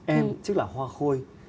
em chức là hoa khôi